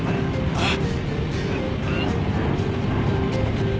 あっ。